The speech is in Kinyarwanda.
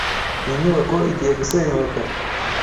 Iyi nyubako igiye gusenyuka.